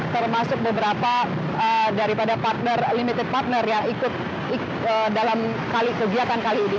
termasuk beberapa daripada partner limited partner yang ikut dalam kegiatan kali ini